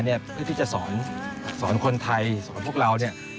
เพื่อที่จะสอนคนไทยสอนพวกเราเนี่ย